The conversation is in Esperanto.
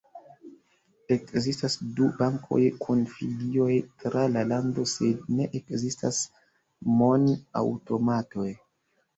Ekzistas du bankoj kun filioj tra la lando sed ne ekzistas mon-aŭtomatoj.